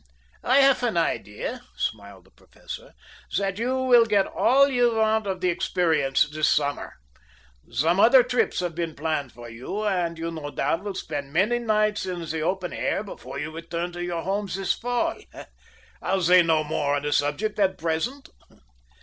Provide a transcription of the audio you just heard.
"I have an idea," smiled the Professor, "that you will get all you want of the experience this summer. Some other trips have been planned for you, and you no doubt will spend many nights in the open air before you return to your homes this fall. I'll say no more on the subject at present."